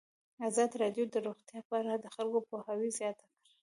ازادي راډیو د روغتیا په اړه د خلکو پوهاوی زیات کړی.